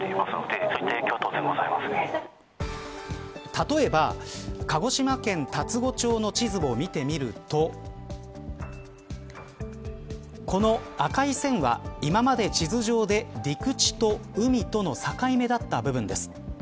例えば鹿児島県龍郷町の地図を見てみるとこの赤い線は今まで地図上で陸地と海との境目だった部分です。